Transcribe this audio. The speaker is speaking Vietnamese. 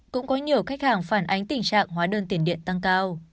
cũng có nhiều khách hàng phản ánh tình trạng hóa đơn tiền điện tăng cao